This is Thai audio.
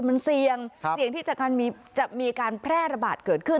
มันเสี่ยงเสี่ยงที่จะมีการแพร่ระบาดเกิดขึ้น